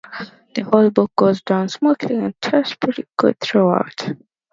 The whole book goes down smoothly and tastes pretty good throughout.